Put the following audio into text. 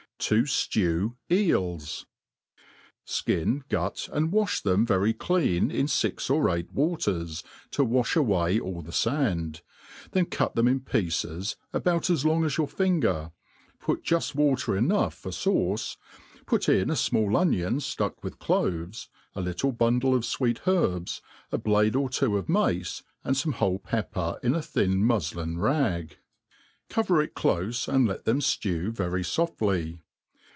To Jim Eilu *■ SJ^IN, gut, and waihthem very clean in fix or eight waters, ^o wa(b away all the land ; then cut them in pieces, about as lone as your finger, put }uft water enough for faace, put in a fmail onion ftuck with cloves, a little bundle of fweel herbs, a blade or two of mace, and fome whole pepper in a thin muf lin rag. Cover it clofe, and let them ftew vtry (bftly.